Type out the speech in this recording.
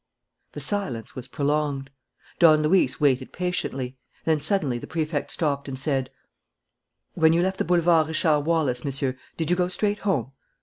The silence was prolonged. Don Luis waited patiently. Then, suddenly, the Prefect stopped and said: "When you left the Boulevard Richard Wallace, Monsieur, did you go straight home?"